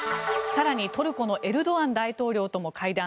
更にトルコのエルドアン大統領とも会談。